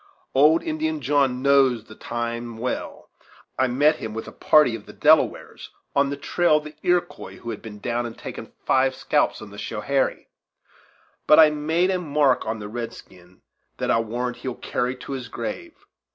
Old Indian John knows the time well. I met him with a party of the Delawares, on the trail of the Iroquois, who had been down and taken five scalps on the Schoharie. But I made a mark on the red skin that I'll warrant he'll carry to his grave!